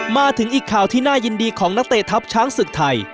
มาถึงอีกข่าวที่น่ายินดีของนักเตะทัพช้างศึกไทย